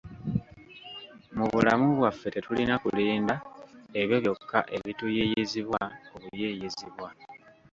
Mu bulamu bwaffe tetulina kulinda ebyo byokka ebituyiiyizibwa obuyiiyizibwa.